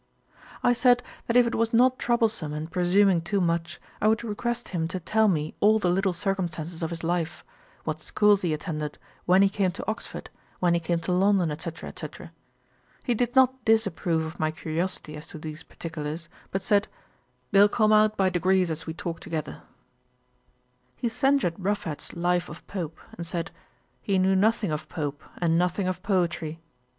I said, that if it was not troublesome and presuming too much, I would request him to tell me all the little circumstances of his life; what schools he attended, when he came to Oxford, when he came to London, &c. &c. He did not disapprove of my curiosity as to these particulars; but said, 'They'll come out by degrees as we talk together.' He censured Ruffhead's Life of Pope; and said, 'he knew nothing of Pope, and nothing of poetry.'